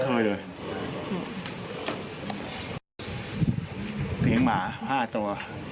เสียงหมา๕ตัว